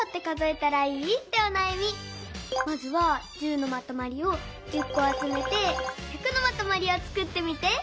まずは１０のまとまりを１０こあつめて「１００」のまとまりをつくってみて。